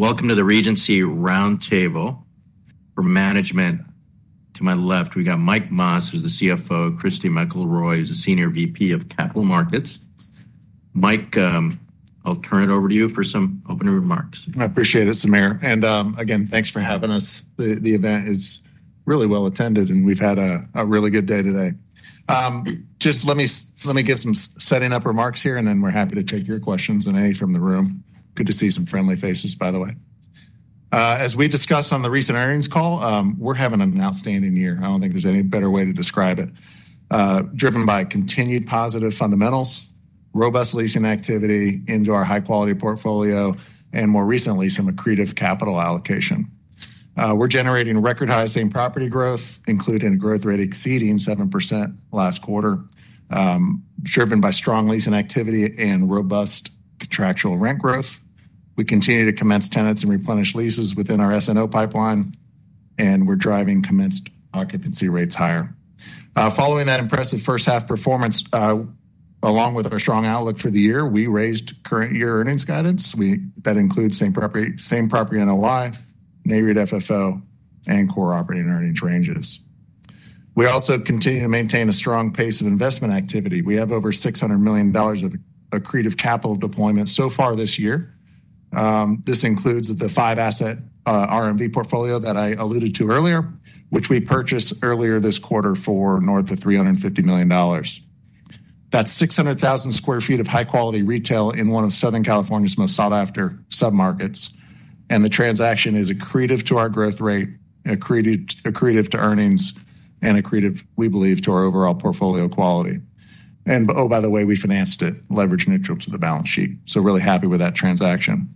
Welcome to the Regency Roundtable for Management. To my left, we got Mike Mas, who's the CFO, and Christy McElroy, who's the Senior Vice President of Capital Markets. Mike, I'll turn it over to you for some opening remarks. I appreciate it, Samir. Again, thanks for having us. The event is really well attended, and we've had a really good day today. Let me give some setting up remarks here, and then we're happy to take your questions and any from the room. Good to see some friendly faces, by the way. As we discussed on the recent earnings call, we're having an outstanding year. I don't think there's any better way to describe it. Driven by continued positive fundamentals, robust leasing activity, in our high-quality portfolio, and more recently, some accretive capital allocation. We're generating record-high same-property growth, including a growth rate exceeding 7% last quarter, driven by strong leasing activity and robust contractual rent growth. We continue to commence tenants and replenish leases within our S&O pipeline, and we're driving commenced occupancy rates higher. Following that impressive first-half performance, along with our strong outlook for the year, we raised current year earnings guidance. That includes same-property NOI, NAREIT FFO, and core operating earnings ranges. We also continue to maintain a strong pace of investment activity. We have over $600 million of accretive capital deployment so far this year. This includes the five-asset RMV portfolio that I alluded to earlier, which we purchased earlier this quarter for north of $350 million. That's 600,000 square feet of high-quality retail in one of Southern California's most sought-after submarkets. The transaction is accretive to our growth rate, accretive to earnings, and accretive, we believe, to our overall portfolio quality. Oh, by the way, we financed it leverage neutral to the balance sheet. Really happy with that transaction.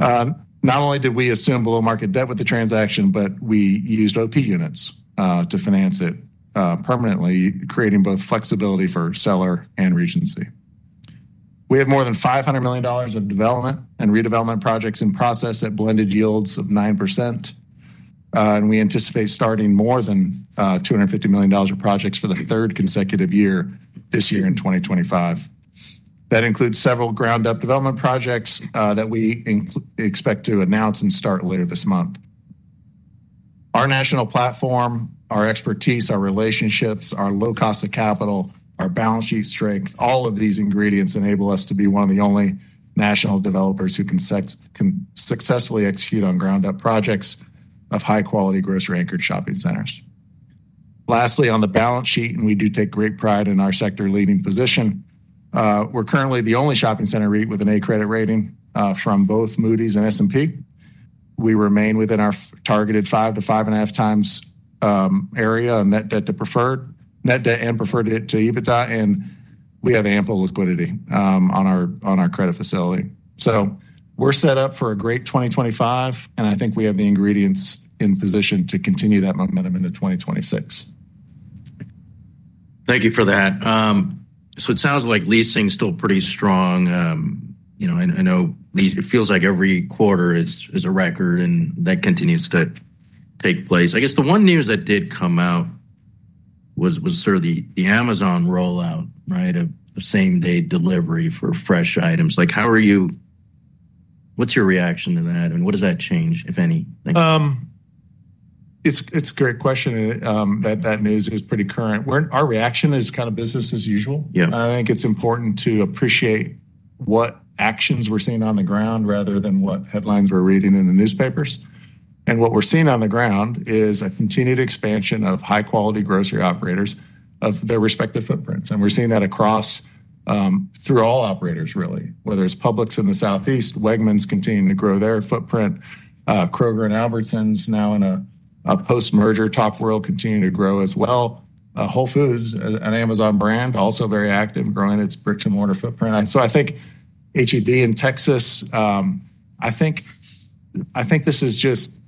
Not only did we assume below-market debt with the transaction, but we used OP units to finance it permanently, creating both flexibility for seller and Regency. We have more than $500 million of development and redevelopment projects in process at blended yields of 9%. We anticipate starting more than $250 million projects for the third consecutive year this year in 2025. That includes several ground-up development projects that we expect to announce and start later this month. Our national platform, our expertise, our relationships, our low cost of capital, our balance sheet strength, all of these ingredients enable us to be one of the only national developers who can successfully execute on ground-up projects of high-quality grocery-anchored shopping centers. Lastly, on the balance sheet, and we do take great pride in our sector-leading position, we're currently the only shopping center REIT with an A-credit rating from both Moody’s and S&P. We remain within our targeted five to five and a half times area on net debt and preferred debt to EBITDA, and we have ample liquidity on our credit facility. We're set up for a great 2025, and I think we have the ingredients in position to continue that momentum into 2026. Thank you for that. It sounds like leasing is still pretty strong. I know it feels like every quarter is a record, and that continues to take place. I guess the one news that did come out was sort of the Amazon rollout, right, of same-day delivery for fresh items. How are you, what's your reaction to that, and what does that change, if anything? It's a great question. That news is pretty current. Our reaction is kind of business as usual. I think it's important to appreciate what actions we're seeing on the ground rather than what headlines we're reading in the newspapers. What we're seeing on the ground is a continued expansion of high-quality grocery operators of their respective footprints. We're seeing that across through all operators, really, whether it's Publix in the Southeast, Wegmans continuing to grow their footprint, Kroger and Albertsons, now in a post-merger top world, continuing to grow as well. Whole Foods, an Amazon brand, also very active, growing its bricks and mortar footprint. I think HEB in Texas, I think this is just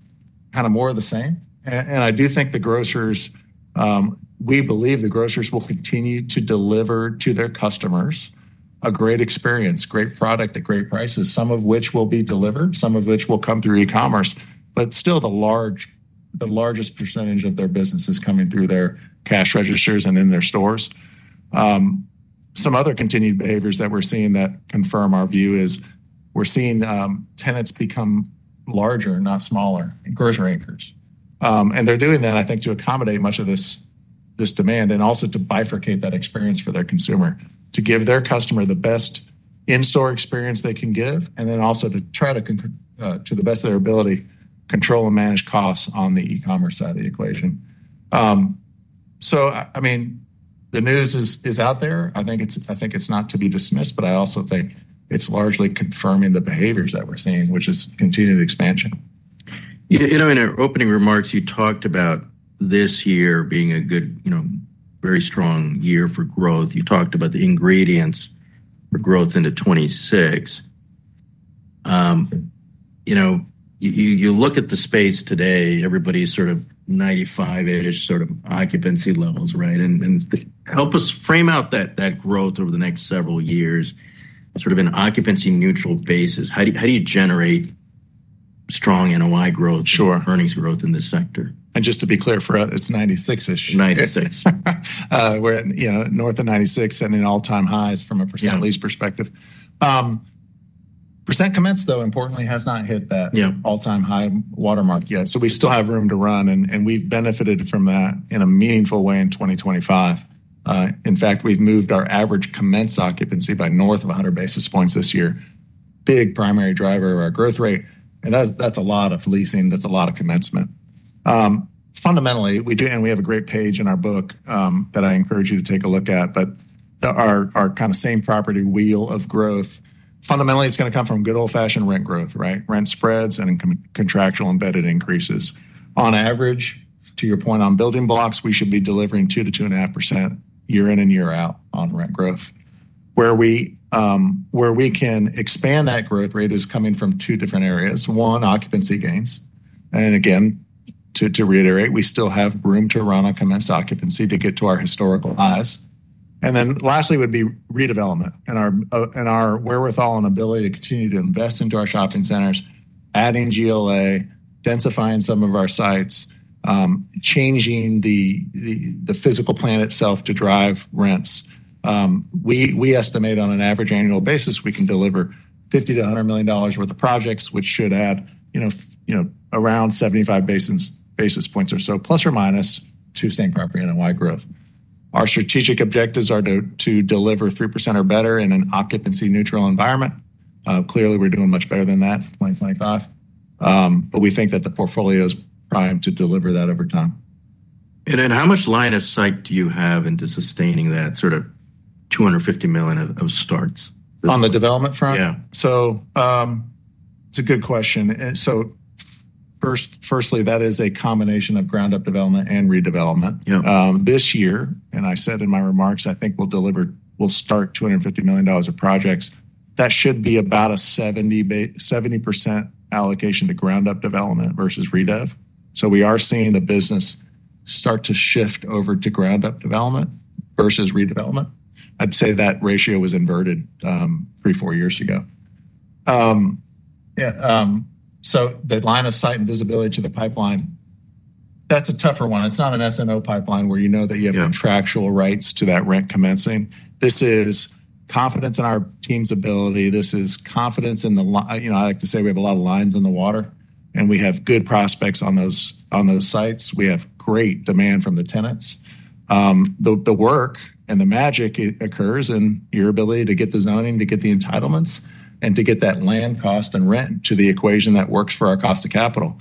kind of more of the same. I do think the grocers, we believe the grocers will continue to deliver to their customers a great experience, great product at great prices, some of which will be delivered, some of which will come through e-commerce. Still, the largest percentage of their business is coming through their cash registers and in their stores. Some other continued behaviors that we're seeing that confirm our view is we're seeing tenants become larger, not smaller, and grocery anchors. They're doing that, I think, to accommodate much of this demand and also to bifurcate that experience for their consumer, to give their customer the best in-store experience they can give, and then also to try to, to the best of their ability, control and manage costs on the e-commerce side of the equation. The news is out there. I think it's not to be dismissed, but I also think it's largely confirming the behaviors that we're seeing, which is continued expansion. In your opening remarks, you talked about this year being a very strong year for growth. You talked about the ingredients, the growth into 2026. You look at the space today, everybody's sort of 95% occupancy levels, right? Help us frame out that growth over the next several years on an occupancy-neutral basis. How do you generate strong NOI growth, strong earnings growth in this sector? To be clear, for us, it's 96%. 96. We're at north of 96% and in all-time highs from a percent lease perspective. Percent commenced, though, importantly, has not hit that all-time high watermark yet. We still have room to run, and we've benefited from that in a meaningful way in 2025. In fact, we've moved our average commenced occupancy by north of 100 basis points this year, a big primary driver of our growth rate. That's a lot of leasing. That's a lot of commencement. Fundamentally, we do, and we have a great page in our book that I encourage you to take a look at, but our kind of same-property wheel of growth, fundamentally, it's going to come from good old-fashioned rent growth, right? Rent spreads and contractual embedded increases. On average, to your point on building blocks, we should be delivering 2% to 2.5% year in and year out on rent growth. Where we can expand that growth rate is coming from two different areas. One, occupancy gains. To reiterate, we still have room to run at commenced occupancy to get to our historical highs. Lastly would be redevelopment and our wherewithal and ability to continue to invest into our shopping centers, adding GLA, densifying some of our sites, changing the physical plan itself to drive rents. We estimate on an average annual basis, we can deliver $50 million to $100 million worth of projects, which should add around 75 basis points or so, plus or minus, to same-property NOI growth. Our strategic objectives are to deliver 3% or better in an occupancy-neutral environment. Clearly, we're doing much better than that in 2025. We think that the portfolio is primed to deliver that over time. How much line of sight do you have into sustaining that sort of $250 million of starts? On the development front? Yeah. It's a good question. Firstly, that is a combination of ground-up development and redevelopment. This year, and I said in my remarks, I think we'll deliver, we'll start $250 million of projects. That should be about a 70% allocation to ground-up development versus redev. We are seeing the business start to shift over to ground-up development versus redevelopment. I'd say that ratio was inverted three, four years ago. The line of sight and visibility to the pipeline, that's a tougher one. It's not an S&O pipeline where you know that you have contractual rights to that rent commencing. This is confidence in our team's ability. This is confidence in the, you know, I like to say we have a lot of lines in the water, and we have good prospects on those sites. We have great demand from the tenants. The work and the magic occurs in your ability to get the zoning, to get the entitlements, and to get that land cost and rent to the equation that works for our cost of capital.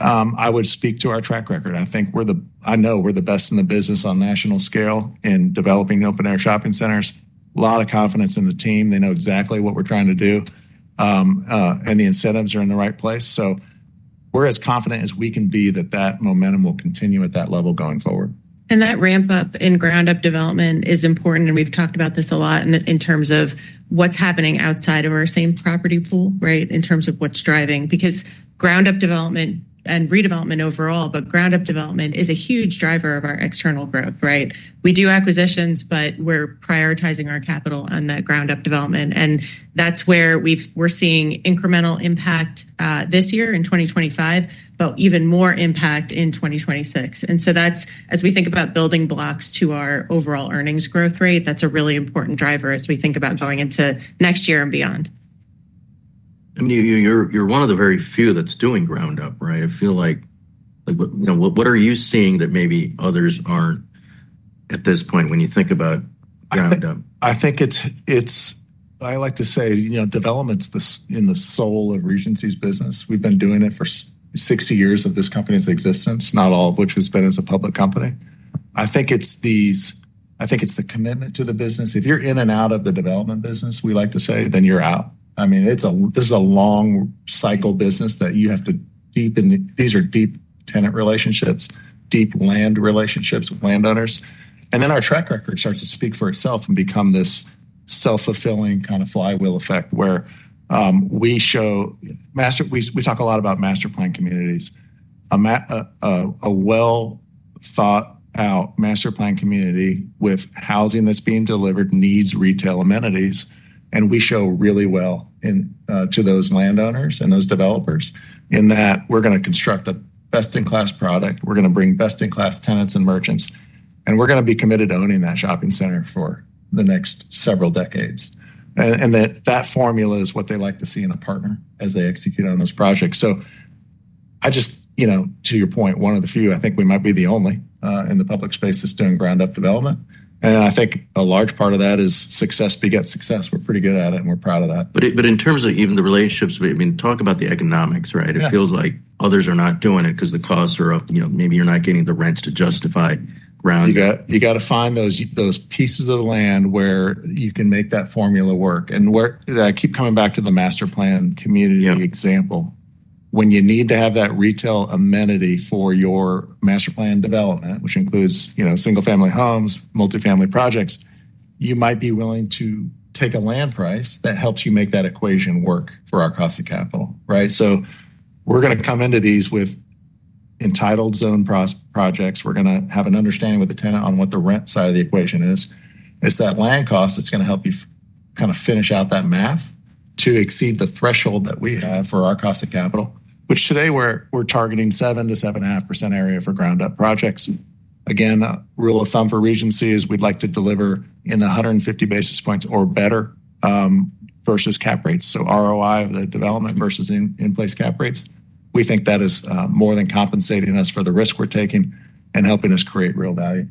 I would speak to our track record. I think we're the, I know we're the best in the business on national scale in developing open-air shopping centers. A lot of confidence in the team. They know exactly what we're trying to do. The incentives are in the right place. We're as confident as we can be that that momentum will continue at that level going forward. That ramp-up in ground-up development is important. We've talked about this a lot in terms of what's happening outside of our same property pool, right? In terms of what's driving, because ground-up development and redevelopment overall, but ground-up development is a huge driver of our external growth, right? We do acquisitions, but we're prioritizing our capital on that ground-up development. That's where we're seeing incremental impact this year in 2025, but even more impact in 2026. As we think about building blocks to our overall earnings growth rate, that's a really important driver as we think about going into next year and beyond. I mean, you're one of the very few that's doing ground-up, right? I feel like, you know, what are you seeing that maybe others aren't at this point when you think about ground-up? I think it's, I like to say, you know, development's in the soul of Regency Centers' business. We've been doing it for 60 years of this company's existence, not all of which has been as a public company. I think it's the commitment to the business. If you're in and out of the development business, we like to say, then you're out. I mean, this is a long cycle business that you have to deepen, these are deep tenant relationships, deep land relationships with landowners. Our track record starts to speak for itself and become this self-fulfilling kind of flywheel effect where we show, we talk a lot about master plan communities. A well-thought-out master plan community with housing that's being delivered needs retail amenities. We show really well to those landowners and those developers in that we're going to construct a best-in-class product. We're going to bring best-in-class tenants and merchants. We're going to be committed to owning that shopping center for the next several decades. That formula is what they like to see in a partner as they execute on those projects. To your point, one of the few, I think we might be the only in the public space that's doing ground-up development. I think a large part of that is success to get success. We're pretty good at it and we're proud of that. In terms of even the relationships, I mean, talk about the economics, right? It feels like others are not doing it because the costs are up. You know, maybe you're not getting the rents to justify ground-up. You have to find those pieces of land where you can make that formula work. I keep coming back to the master plan community example. When you need to have that retail amenity for your master plan development, which includes single-family homes and multifamily projects, you might be willing to take a land price that helps you make that equation work for our cost of capital, right? We are going to come into these with entitled zone projects. We are going to have an understanding with the tenant on what the rent side of the equation is. It is that land cost that is going to help you finish out that math to exceed the threshold that we have for our cost of capital, which today we are targeting 7% to 7.5% area for ground-up projects. The rule of thumb for Regency Centers is we would like to deliver in the 150 basis points or better versus cap rates. ROI of the development versus in-place cap rates, we think that is more than compensating us for the risk we are taking and helping us create real value.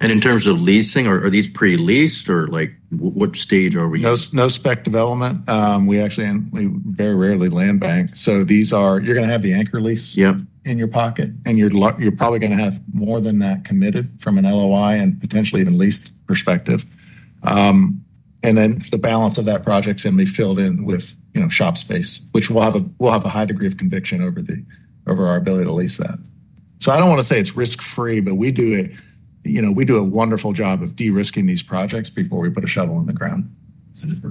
In terms of leasing, are these pre-leased or like what stage are we? No spec development. We actually very rarely land bank. These are, you're going to have the anchor lease in your pocket, and you're probably going to have more than that committed from an LOI and potentially even lease perspective. The balance of that project's going to be filled in with, you know, shop space, which we'll have a high degree of conviction over our ability to lease that. I don't want to say it's risk-free, but we do a wonderful job of de-risking these projects before we put a shovel in the ground.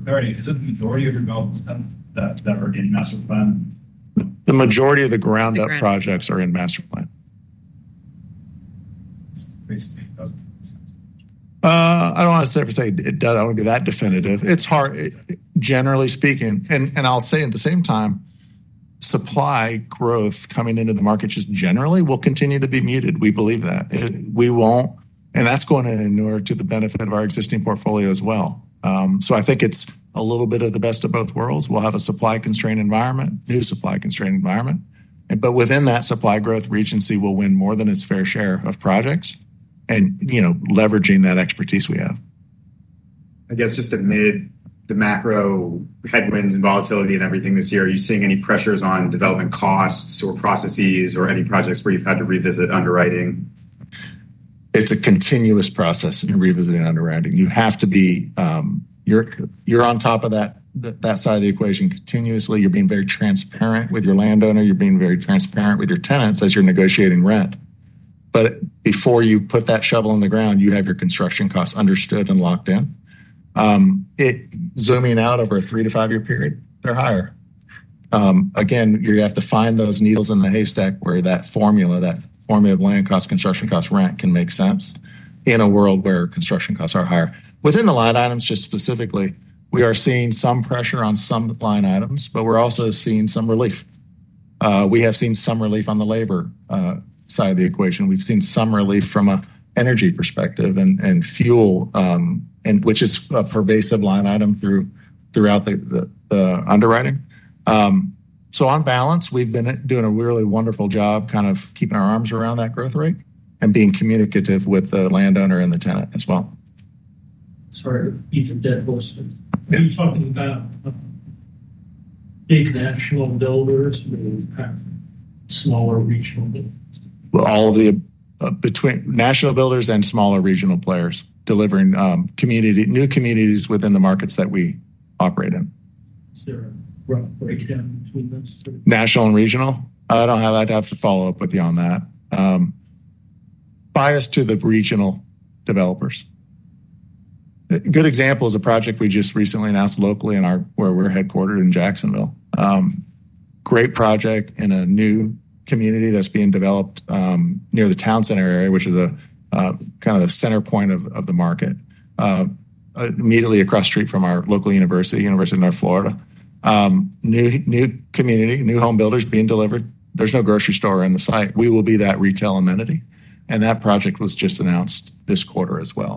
Right. Is the majority of your developments then that are in master plan? The majority of the ground-up projects are in master plan. I don't want to say it doesn't have to be that definitive. It's hard, generally speaking, and at the same time, supply growth coming into the market just generally will continue to be muted. We believe that. We won't, and that's going in order to the benefit of our existing portfolio as well. I think it's a little bit of the best of both worlds. We'll have a supply-constrained environment, new supply-constrained environment, but within that supply growth, Regency will win more than its fair share of projects and, you know, leveraging that expertise we have. Amid the macro headwinds and volatility and everything this year, are you seeing any pressures on development costs or processes or any projects where you've had to revisit underwriting? It's a continuous process in revisiting underwriting. You have to be, you're on top of that side of the equation continuously. You're being very transparent with your landowner. You're being very transparent with your tenants as you're negotiating rent. Before you put that shovel in the ground, you have your construction costs understood and locked in. Zooming out over a three to five-year period, they're higher. You have to find those needles in the haystack where that formula, that formula of land costs, construction costs, rent can make sense in a world where construction costs are higher. Within the line items specifically, we are seeing some pressure on some line items, but we're also seeing some relief. We have seen some relief on the labor side of the equation. We've seen some relief from an energy perspective and fuel, which is a pervasive line item throughout the underwriting. On balance, we've been doing a really wonderful job keeping our arms around that growth rate and being communicative with the landowner and the tenant as well. Sorry, you just dead voiced it. Are you talking about big national builders and kind of smaller regional? All of the, between national builders and smaller regional players delivering new communities within the markets that we operate in. Sir, rough breakdown between those two. National and regional? I don't have that, have to follow up with you on that. Bias to the regional developers. Good example is a project we just recently announced locally in our, where we're headquartered in Jacksonville. Great project in a new community that's being developed near the Town Center area, which is kind of the center point of the market, immediately across the street from our local university, University of North Florida. New community, new home builders being delivered. There's no grocery store on the site. We will be that retail amenity. That project was just announced this quarter as well.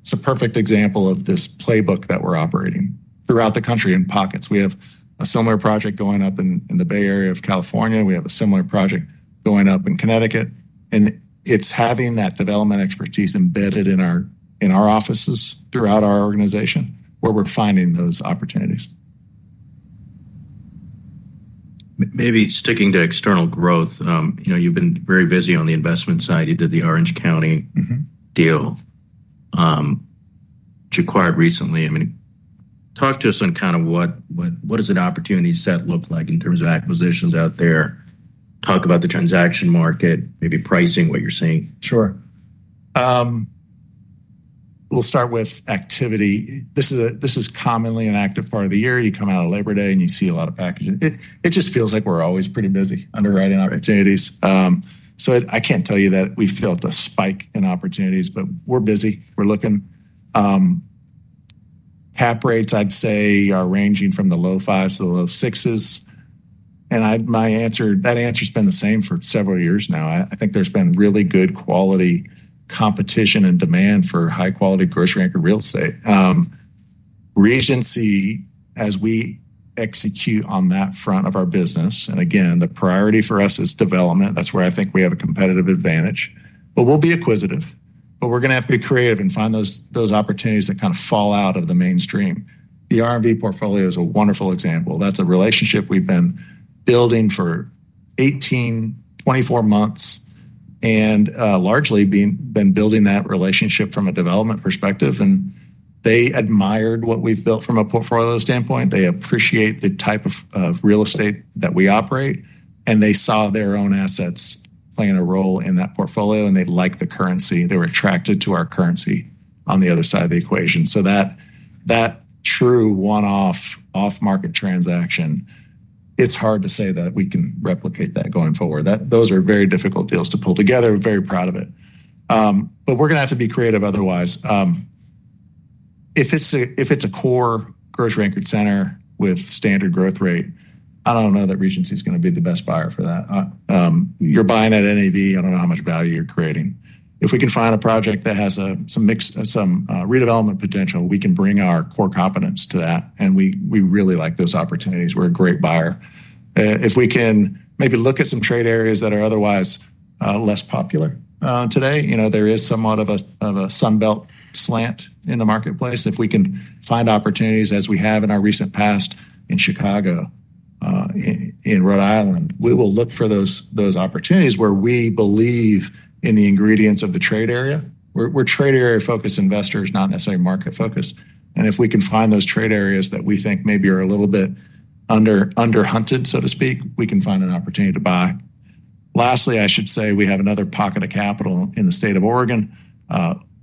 It's a perfect example of this playbook that we're operating throughout the country in pockets. We have a similar project going up in the Bay Area of California. We have a similar project going up in Connecticut. It's having that development expertise embedded in our offices throughout our organization where we're finding those opportunities. Maybe sticking to external growth, you've been very busy on the investment side. You did the Orange County deal, which you acquired recently. I mean, talk to us on kind of what does an opportunity set look like in terms of acquisitions out there. Talk about the transaction market, maybe pricing, what you're seeing. Sure. We'll start with activity. This is commonly an active part of the year. You come out of Labor Day and you see a lot of packaging. It just feels like we're always pretty busy underwriting opportunities. I can't tell you that we've felt a spike in opportunities, but we're busy. We're looking. Cap rates, I'd say, are ranging from the low fives to the low sixes. My answer, that answer's been the same for several years now. I think there's been really good quality competition and demand for high-quality grocery-anchored real estate. Regency, as we execute on that front of our business, and again, the priority for us is development. That's where I think we have a competitive advantage. We will be acquisitive. We're going to have to be creative and find those opportunities that kind of fall out of the mainstream. The RMV portfolio is a wonderful example. That's a relationship we've been building for 18 to 24 months, and largely been building that relationship from a development perspective. They admired what we've built from a portfolio standpoint. They appreciate the type of real estate that we operate. They saw their own assets playing a role in that portfolio. They liked the currency. They were attracted to our currency on the other side of the equation. That true one-off off-market transaction, it's hard to say that we can replicate that going forward. Those are very difficult deals to pull together. We're very proud of it. We're going to have to be creative otherwise. If it's a core grocery-anchored center with standard growth rate, I don't know that Regency is going to be the best buyer for that. You're buying at NED. I don't know how much value you're creating. If we can find a project that has some redevelopment potential, we can bring our core competence to that. We really like those opportunities. We're a great buyer. If we can maybe look at some trade areas that are otherwise less popular today, there is somewhat of a sunbelt slant in the marketplace. If we can find opportunities, as we have in our recent past in Chicago, in Rhode Island, we will look for those opportunities where we believe in the ingredients of the trade area. We're trade area-focused investors, not necessarily market-focused. If we can find those trade areas that we think maybe are a little bit underhunted, so to speak, we can find an opportunity to buy. Lastly, I should say we have another pocket of capital in the state of Oregon,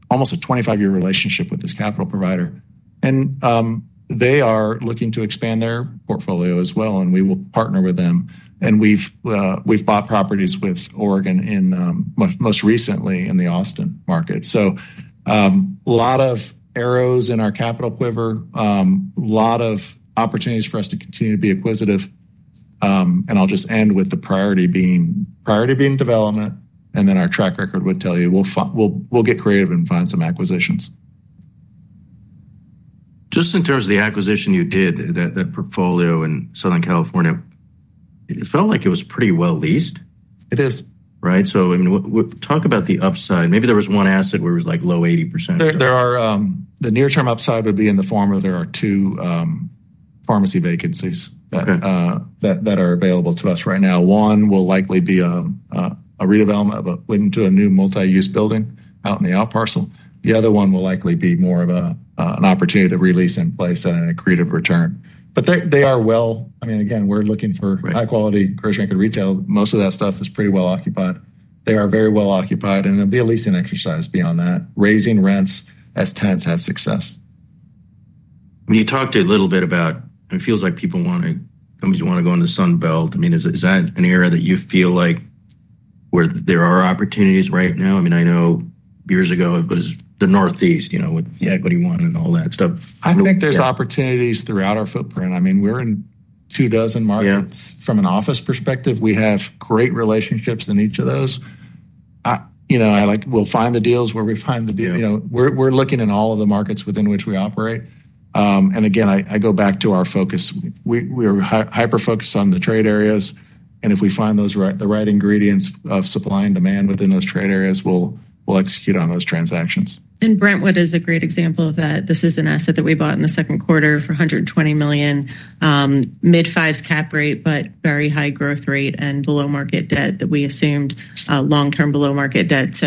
almost a 25-year relationship with this capital provider. They are looking to expand their portfolio as well, and we will partner with them. We've bought properties with Oregon most recently in the Austin market. There are a lot of arrows in our capital quiver, a lot of opportunities for us to continue to be acquisitive. I'll just end with the priority being development, and then our track record would tell you we'll get creative and find some acquisitions. Just in terms of the acquisition you did, that portfolio in Southern California, it felt like it was pretty well leased. It is. Right? I mean, talk about the upside. Maybe there was one asset where it was like low 80%. The near-term upside would be in the form of there are two pharmacy vacancies that are available to us right now. One will likely be a redevelopment of a wing to a new multi-use building out in the out parcel. The other one will likely be more of an opportunity to release in place at an accretive return. We are looking for high-quality grocery-anchored retail. Most of that stuff is pretty well occupied. They are very well occupied. It will be a leasing exercise beyond that, raising rents as tenants have success. When you talked a little bit about, it feels like people want to, companies want to go into Sunbelt. Is that an area that you feel like where there are opportunities right now? I know years ago it was the Northeast, you know, with the Equity One and all that stuff. I think there's opportunities throughout our footprint. We're in two dozen markets. From an office perspective, we have great relationships in each of those. We'll find the deals where we find the deal. We're looking in all of the markets within which we operate. I go back to our focus. We are hyper-focused on the trade areas. If we find the right ingredients of supply and demand within those trade areas, we'll execute on those transactions. Brentwood is a great example of that. This is an asset that we bought in the second quarter for $120 million, mid-5% cap rate, but very high growth rate and below-market debt that we assumed, long-term below-market debt.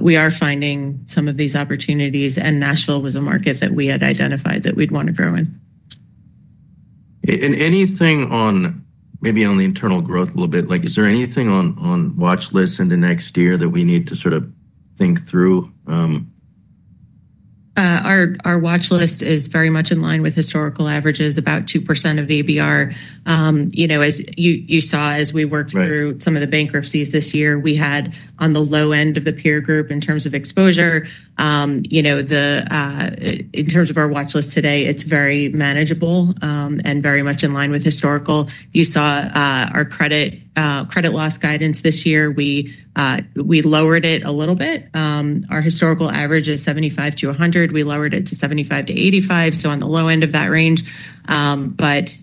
We are finding some of these opportunities. Nashville was a market that we had identified that we'd want to grow in. Is there anything on the internal growth a little bit, like is there anything on watch list into next year that we need to sort of think through? Our watch list is very much in line with historical averages, about 2% of ABR. As you saw, as we worked through some of the bankruptcies this year, we had on the low end of the peer group in terms of exposure. In terms of our watch list today, it's very manageable and very much in line with historical. You saw our credit loss guidance this year. We lowered it a little bit. Our historical average is $75 to $100. We lowered it to $75 to $85, on the low end of that range. Bankruptcies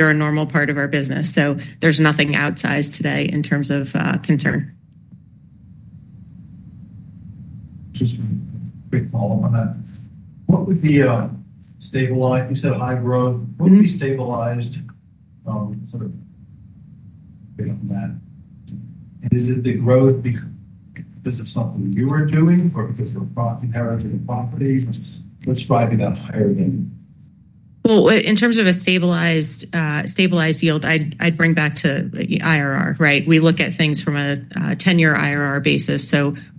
are a normal part of our business. There's nothing outsized today in terms of concern. Just a quick follow-up on that. What would be a stabilized, you said high growth, what would be stabilized? Is it the growth because of something you were doing or because of your property? What's driving that higher than? In terms of a stabilized yield, I'd bring back to IRR, right? We look at things from a 10-year IRR basis.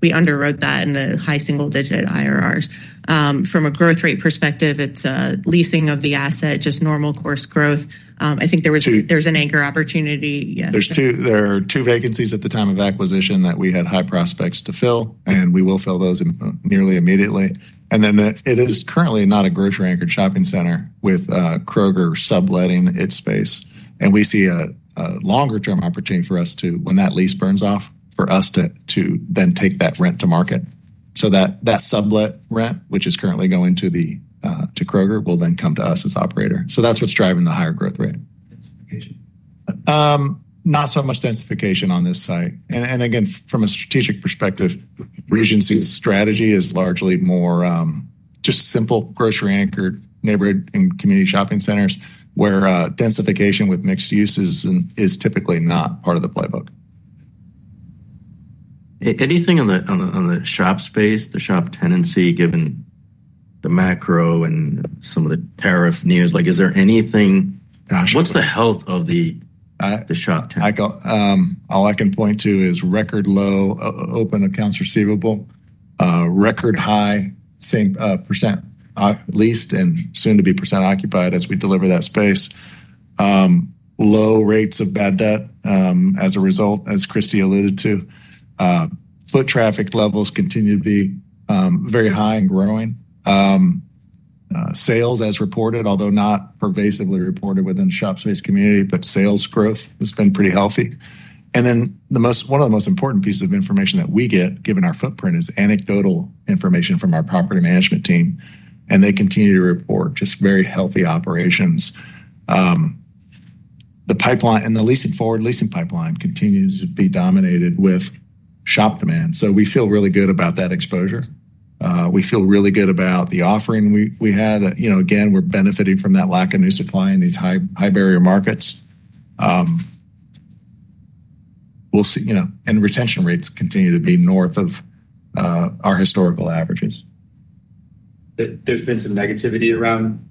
We underwrote that in the high single-digit IRRs. From a growth rate perspective, it's a leasing of the asset, just normal course growth. I think there's an anchor opportunity. There are two vacancies at the time of acquisition that we had high prospects to fill, and we will fill those nearly immediately. It is currently not a grocery-anchored shopping center with Kroger subletting its space. We see a longer-term opportunity for us to, when that lease burns off, for us to then take that rent to market. That sublet rent, which is currently going to Kroger, will then come to us as operator. That is what's driving the higher growth rate, not so much densification on this site. From a strategic perspective, Regency Centers' strategy is largely more just simple grocery-anchored neighborhood and community shopping centers where densification with mixed uses is typically not part of the playbook. Anything on the shop space, the shop tenancy, given the macro and some of the tariff news? Is there anything? What's the health of the shop? All I can point to is record low open accounts receivable, record high, same % leased and soon to be % occupied as we deliver that space. Low rates of bad debt as a result, as Christy alluded to. Foot traffic levels continue to be very high and growing. Sales as reported, although not pervasively reported within the shop space community, but sales growth has been pretty healthy. One of the most important pieces of information that we get, given our footprint, is anecdotal information from our property management team. They continue to report just very healthy operations. The pipeline and the forward leasing pipeline continues to be dominated with shop demand. We feel really good about that exposure. We feel really good about the offering we had. Again, we're benefiting from that lack of new supply in these high barrier markets. We'll see, you know, and retention rates continue to be north of our historical averages. There's been some negativity around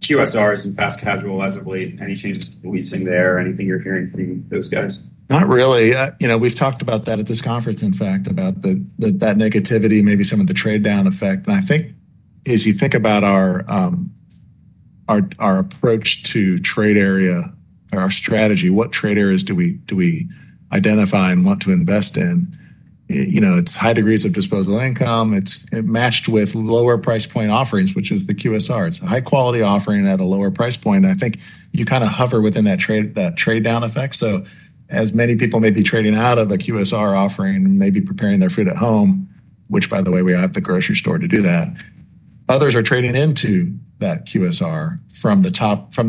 QSRs and Fast Casual. Has there been any changes we've seen there, or anything you're hearing from those guys? Not really. We've talked about that at this conference, in fact, about that negativity, maybe some of the trade-down effect. I think as you think about our approach to trade area or our strategy, what trade areas do we identify and want to invest in? It's high degrees of disposable income. It's matched with lower price point offerings, which is the QSR. It's a high-quality offering at a lower price point. I think you kind of hover within that trade-down effect. As many people may be trading out of a QSR offering and maybe preparing their food at home, which, by the way, we have the grocery store to do that, others are trading into that QSR from the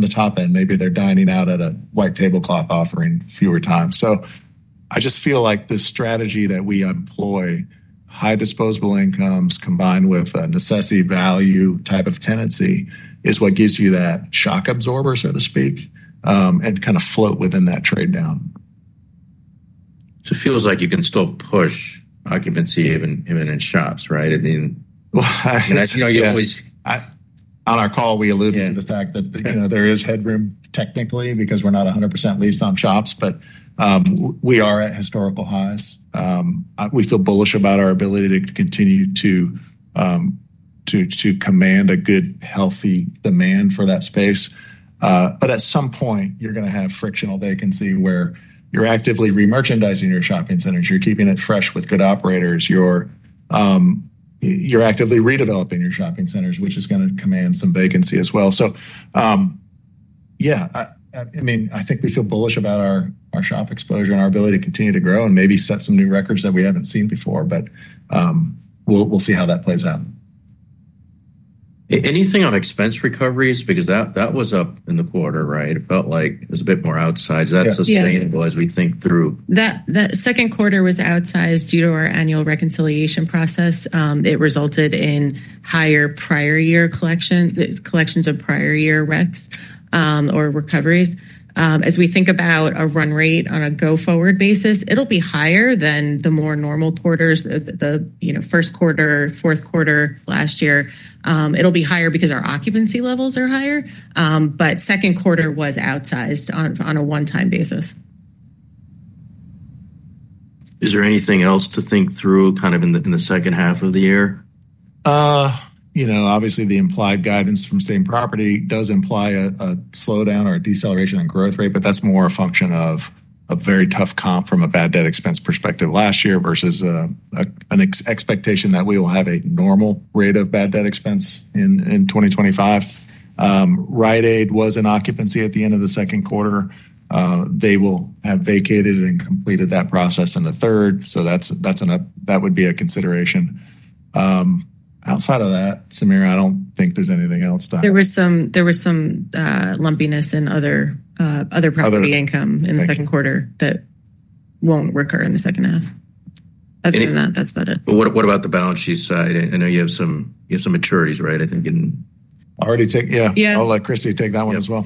top end. Maybe they're dining out at a white tablecloth offering fewer times. I just feel like the strategy that we employ, high disposable incomes combined with a necessity value type of tenancy, is what gives you that shock absorber, so to speak, and kind of float within that trade-down. It feels like you can still push occupancy even in shops, right? You always, on our call, we alluded to the fact that there is headroom technically because we're not 100% leased on shops, but we are at historical highs. We feel bullish about our ability to continue to command a good, healthy demand for that space. At some point, you're going to have frictional vacancy where you're actively remerchandising your shopping centers. You're keeping it fresh with good operators. You're actively redeveloping your shopping centers, which is going to command some vacancy as well. I think we feel bullish about our shop exposure and our ability to continue to grow and maybe set some new records that we haven't seen before, but we'll see how that plays out. Anything on expense recoveries? Because that was up in the quarter, right? It felt like it was a bit more outsized. Is that sustainable as we think through? That second quarter was outsized due to our annual reconciliation process. It resulted in higher prior year collections, collections of prior year recs or recoveries. As we think about a run rate on a go-forward basis, it'll be higher than the more normal quarters, the first quarter, fourth quarter last year. It'll be higher because our occupancy levels are higher. Second quarter was outsized on a one-time basis. Is there anything else to think through in the second half of the year? You know, obviously the implied guidance from same-property does imply a slowdown or a deceleration on growth rate, but that's more a function of a very tough comp from a bad debt expense perspective last year versus an expectation that we will have a normal rate of bad debt expense in 2025. Rite Aid was in occupancy at the end of the second quarter. They will have vacated and completed that process in the third. That would be a consideration. Outside of that, Samir, I don't think there's anything else. There was some lumpiness in other property income in the second quarter that won't recur in the second half. Other than that, that's about it. What about the balance sheet side? I know you have some maturities, right? I think in. Yeah, I'll let Christy take that one as well.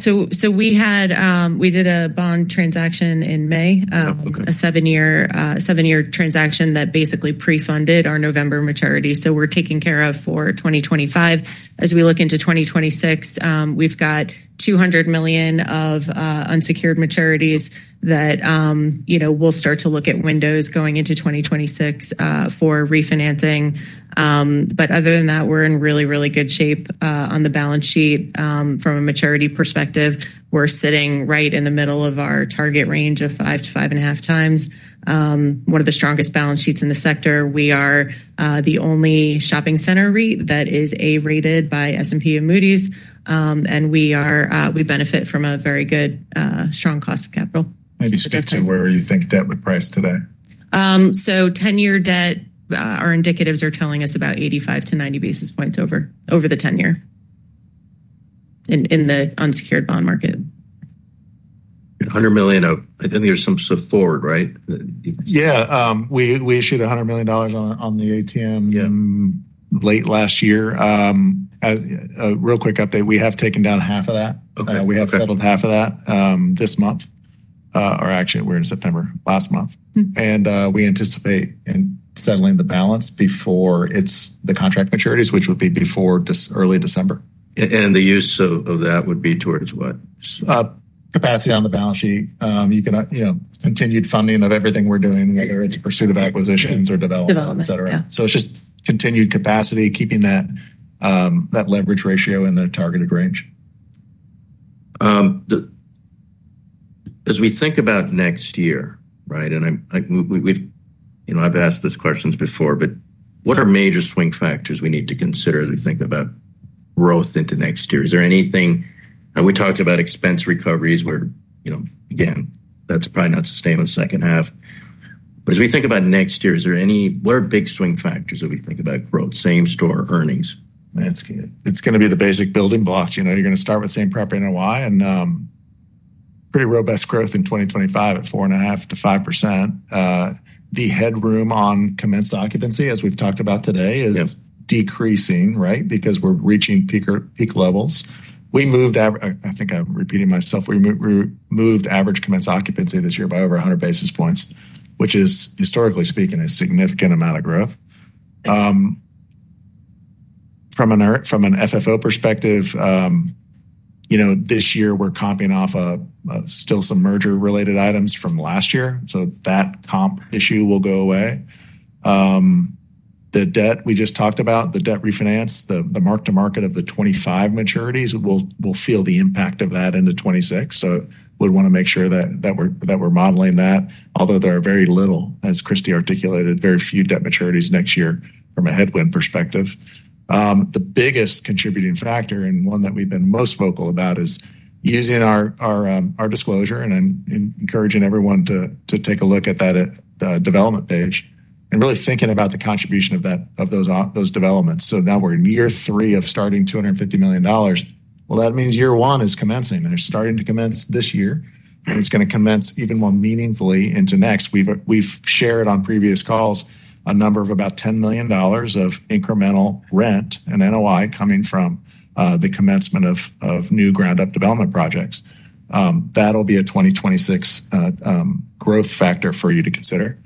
We did a bond transaction in May, a seven-year transaction that basically pre-funded our November maturities. We're taken care of for 2025. As we look into 2026, we've got $200 million of unsecured maturities that we'll start to look at windows going into 2026 for refinancing. Other than that, we're in really, really good shape on the balance sheet. From a maturity perspective, we're sitting right in the middle of our target range of five to five and a half times. One of the strongest balance sheets in the sector. We are the only shopping center REIT that is A-rated by S&P and Moody’s. We benefit from a very good, strong cost of capital. Maybe speak to where you think debt would price today. Ten-year debt, our indicatives are telling us about 85 to 90 basis points over the 10-year in the unsecured bond market. $100 million, I think there's some support, right? Yeah, we issued $100 million on the ATM late last year. A real quick update, we have taken down half of that. We have settled half of that this month, or actually we're in September last month. We anticipate settling the balance before the contract maturities, which would be before early December. The use of that would be towards what? Capacity on the balance sheet. You could, you know, continued funding of everything we're doing, whether it's pursuit of acquisitions or development, etc. It's just continued capacity, keeping that leverage ratio in the targeted range. As we think about next year, and I've asked this question before, what are major swing factors we need to consider as we think about growth into next year? Is there anything, we talked about expense recoveries where that's probably not sustained in the second half. As we think about next year, is there any, what are big swing factors that we think about growth, same store earnings? It's going to be the basic building blocks. You know, you're going to start with same-property NOI and pretty robust growth in 2025 at 4.5% to 5%. The headroom on commenced occupancy, as we've talked about today, is decreasing, right, because we're reaching peak levels. I think I'm repeating myself, we moved average commenced occupancy this year by over 100 basis points, which is, historically speaking, a significant amount of growth. From an FFO perspective, you know, this year we're comping off still some merger-related items from last year. That comp issue will go away. The debt we just talked about, the debt refinance, the mark-to-market of the 2025 maturities will feel the impact of that into 2026. We want to make sure that we're modeling that, although there are very little, as Christy McElroy articulated, very few debt maturities next year from a headwind perspective. The biggest contributing factor and one that we've been most vocal about is using our disclosure and encouraging everyone to take a look at that development page and really thinking about the contribution of those developments. Now we're in year three of starting $250 million. That means year one is commencing. They're starting to commence this year, and it's going to commence even more meaningfully into next. We've shared on previous calls a number of about $10 million of incremental rent and NOI coming from the commencement of new ground-up development projects. That'll be a 2026 growth factor for you to consider.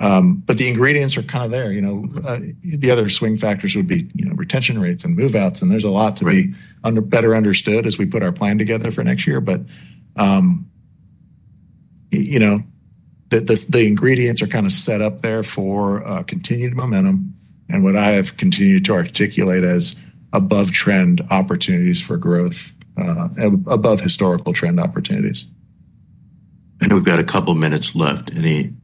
The ingredients are kind of there. The other swing factors would be retention rates and move-outs, and there's a lot to be better understood as we put our plan together for next year. The ingredients are kind of set up there for continued momentum and what I have continued to articulate as above-trend opportunities for growth, above historical trend opportunities. I know we've got a couple of minutes left. Any questions?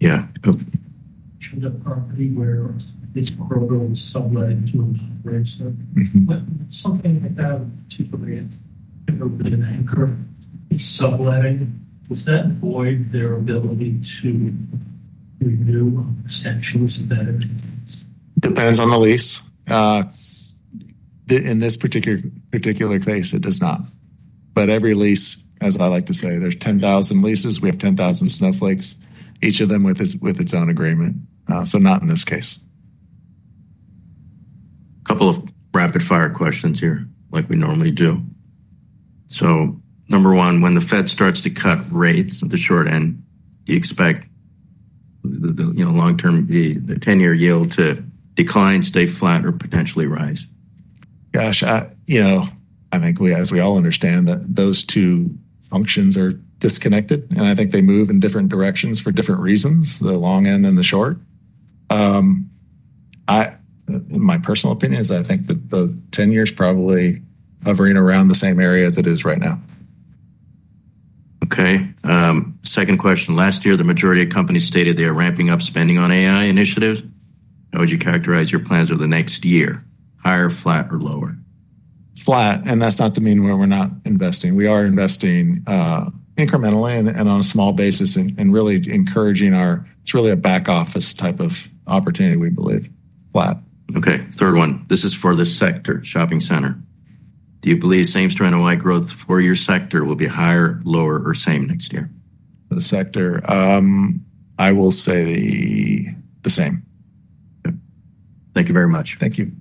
Yeah. In terms of the property where the affordable subletting is really stretched up, what's the planning of that to create the ability to anchor subletting? Was that employing their ability to renew essentially some debt? Depends on the lease. In this particular case, it does not. Every lease, as I like to say, there's 10,000 leases. We have 10,000 snowflakes, each of them with its own agreement. Not in this case. A couple of rapid-fire questions here, like we normally do. Number one, when the Fed starts to cut rates at the short end, do you expect, you know, long-term the 10-year yield to decline, stay flat, or potentially rise? I think we, as we all understand, those two functions are disconnected. I think they move in different directions for different reasons, the long end and the short. My personal opinion is I think that the 10 years probably hovering around the same area as it is right now. Okay. Second question. Last year, the majority of companies stated they are ramping up spending on AI initiatives. How would you characterize your plans over the next year? Higher, flat, or lower? Flat, and that's not to mean where we're not investing. We are investing incrementally and on a small basis and really encouraging our, it's really a back office type of opportunity, we believe. Flat. Okay. Third one. This is for the sector shopping center. Do you believe same-store NOI growth for your sector will be higher, lower, or same next year? For the sector, I will say the same. Thank you very much. Thank you.